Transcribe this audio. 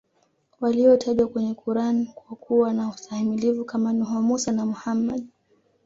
walio tajwa kwenye Quran kwa kuwa na ustahimilivu Kama nuhu mussa na Muhammad